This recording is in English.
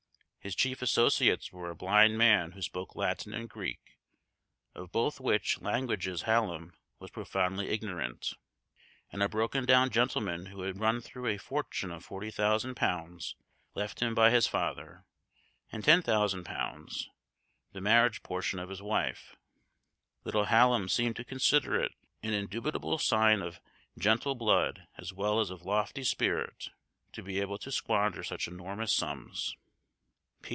His chief associates were a blind man who spoke Latin and Greek, of both which languages Hallum was profoundly ignorant, and a broken down gentleman who had run through a fortune of forty thousand pounds left him by his father, and ten thousand pounds, the marriage portion of his wife. Little Hallum seemed to consider it an indubitable sign of gentle blood as well as of lofty spirit to be able to squander such enormous sums.